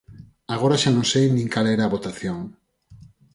Agora xa non sei nin cal era a votación.